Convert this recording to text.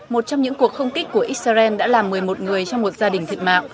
một trong những cuộc không kích của israel đã làm một mươi một người trong một gia đình thịt mạng